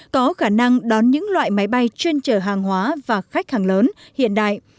có khả năng đón những loại máy bay chuyên trở hàng hóa và khách hàng lớn hiện đại